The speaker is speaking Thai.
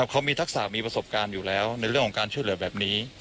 เขามีทักษะมีประสบการณ์อยู่แล้วในเรื่องของการช่วยเหลือแบบนี้